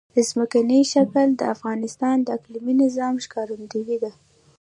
ځمکنی شکل د افغانستان د اقلیمي نظام ښکارندوی ده.